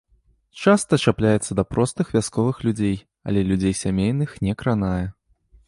Часта чапляецца да простых вясковых людзей, але людзей сямейных не кранае.